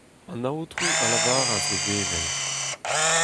An aotrou a lavaras d'e vevel :